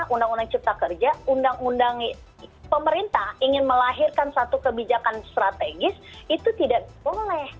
undang undang cipta kerja undang undang pemerintah ingin melahirkan satu kebijakan strategis itu tidak boleh